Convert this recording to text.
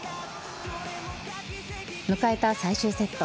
迎えた最終セット。